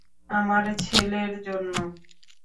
আমার ছেলের জন্য।